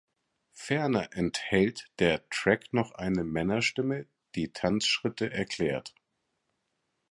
Ferner enthält der Track noch eine Männerstimme, die Tanzschritte erklärt.